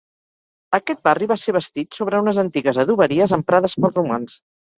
Aquest barri va ser bastit sobre unes antigues adoberies emprades pels romans.